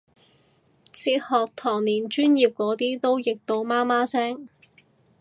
哲學堂連專業嗰啲都譯到媽媽聲